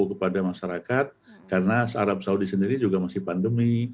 kepada masyarakat karena arab saudi sendiri juga masih pandemi